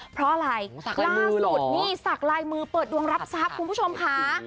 เพราะอะไรล่าสุดนี่สักลายมือเปิดดวงรับทรัพย์คุณผู้ชมค่ะ